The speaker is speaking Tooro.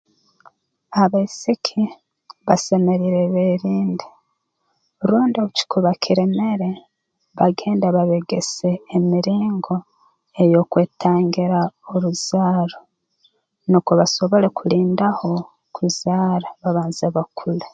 Abaisiki basemeriire beerinde rundi obu kikuba kiremere bagende babeegesa emiringo ey'okwetangira oruzaaro nukwo basobole kulidaho kuzaara babanze bakule